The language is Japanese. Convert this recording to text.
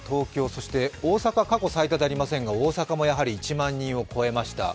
そして大阪、過去最多ではありませんが大阪もやはり１万人を超えました。